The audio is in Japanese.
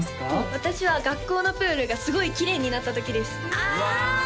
私は学校のプールがすごいきれいになった時ですあ！